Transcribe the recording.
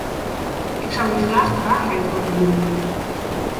Ik zou hier graag de waarheid over willen weten.